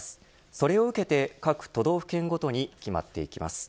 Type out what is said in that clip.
それを受けて各都道府県ごとに決まっていきます。